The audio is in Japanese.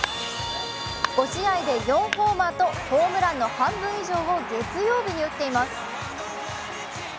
５試合で４ホーマーとホームランの半分以上を月曜日に打っています。